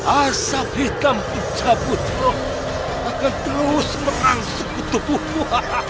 asap hitam punca putro akan terus merangsung ke tubuhmu